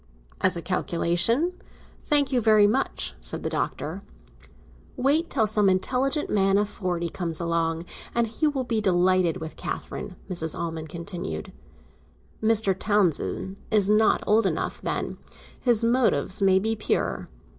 "As a calculation? Thank you very much," said the Doctor. "Wait till some intelligent man of forty comes along, and he will be delighted with Catherine," Mrs. Almond continued. "Mr. Townsend is not old enough, then; his motives may be pure."